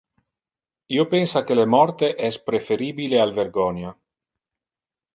Io pensa que le morte es preferibile al vergonia.